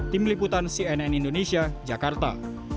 tim liputan cnn indonesia jakarta